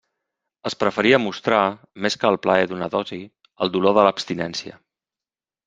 Es preferia mostrar -més que el plaer d'una dosi- el dolor de l'abstinència.